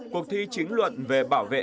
cuộc thi chính luận về bảo vệ